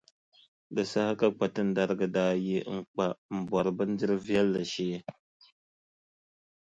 Di saha ka Kpatinariŋga daa yi n-kpa m-bɔri bindirʼ viɛlli shee.